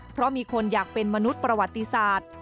เพราะมีคนอยากเป็นมนุษย์ประวัติศาสตร์